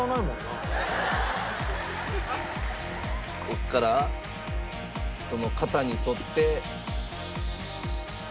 ここからその型に沿って。